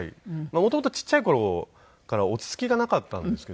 元々ちっちゃい頃から落ち着きがなかったんですけど。